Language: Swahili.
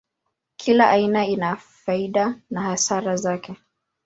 Kila aina ina faida na hasara yake.